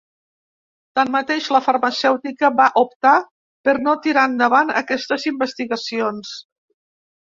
Tanmateix, la farmacèutica va optar per no tirar endavant aquestes investigacions.